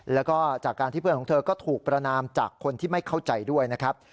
แล้วก็จากการที่เพื่อนของเธอก็ถูกประนามจากคนที่ไม่เข้าใจด้วยนะครับ